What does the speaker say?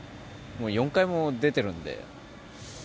４回も出てるので。